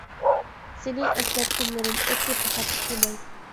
سېنى ئەسلەپ تۈنلىرىم، ئۆتتى پەقەت ئۇخلىماي.